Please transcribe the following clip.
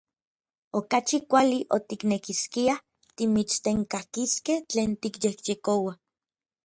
Okachi kuali otiknekiskiaj timitstenkakiskej tlen tikyejyekoua.